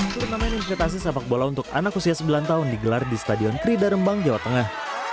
turnamen investasi sepak bola untuk anak usia sembilan tahun digelar di stadion krida rembang jawa tengah